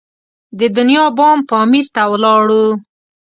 د دنیا بام پامیر ته ولاړو.